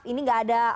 ini tidak ada